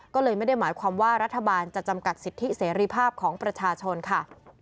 ก็เลยไม่ได้หมายความว่ารัฐบาลจะจำกัดสิทธิเสรีภาพของประชาชนค่ะ